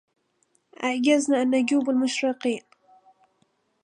أعجزنا أن نجوب المشرقين